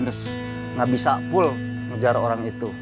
nggak bisa pul mengejar orang itu